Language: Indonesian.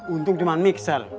untung cuma mikser